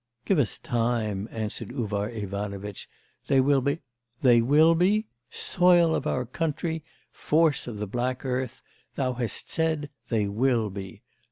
'Give us time,' answered Uvar Ivanovitch; 'they will be ' 'They will be? soil of our country! force of the black earth! thou hast said: they will be.